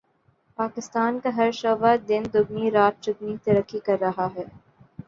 پاکستان کا ہر شعبہ دن دگنی رات چگنی ترقی کر رہا ہے